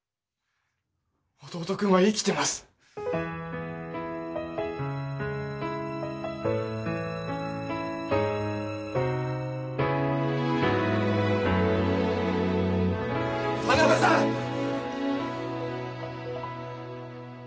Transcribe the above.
弟君は生きてます田辺さんッ